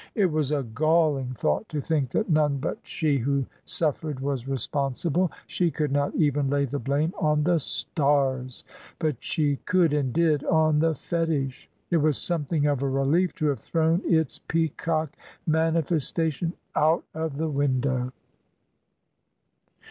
It was a galling thought to think that none but she who suffered was responsible. She could not even lay the blame on the stars; but she could and did on the fetish. It was something of a relief to have thrown its peacock manifestation out of the window.